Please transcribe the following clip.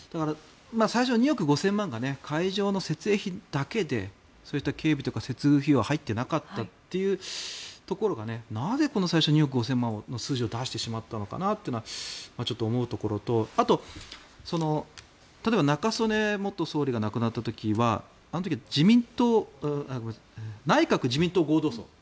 最初は２億５０００万円が会場の設営費だけでそうした警備とか接遇費用は入っていなかったというところがなぜ最初に２億５０００万円の数字を出してしまったのかとちょっと思うところとあと、例えば中曽根元総理が亡くなった時はあの時は内閣・自民党合同葬。